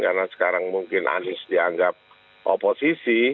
karena sekarang mungkin anies dianggap oposisi